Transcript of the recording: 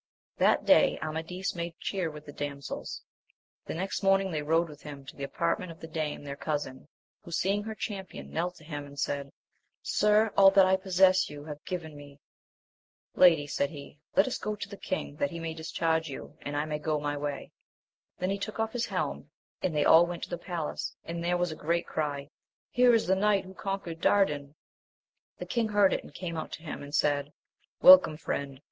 HAT day Amadis made cheer with the dam* sels ; the next morning they rode with him to the apartment of the dame their cousin, who seeing her champion, knelt to him and said, Sir, all that I possess you have given me ! Lady, said he, let us go to the king that he may discharge you, and I may go my way. Then he took off his helm, and they all went to the palace, and there was a great cry, Here is the knight who conquered Dardan ! The king heard it and came out to him, and said, Welcome, friend